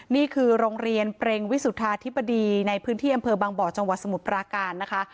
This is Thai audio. นี่คือโรงเรียนเปรงวิสุทธาธิบดีในพื้นที่อำเภอบางบ่อจังหวัดสมุทรปราการนะคะ